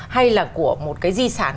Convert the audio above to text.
hay là của một cái di sản